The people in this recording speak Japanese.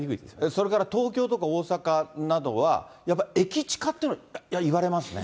それから東京とか大阪などは、やっぱり駅近って、いわれますね。